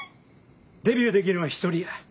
デビューできるんは１人や。